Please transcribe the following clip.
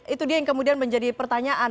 itu dia yang kemudian menjadi pertanyaan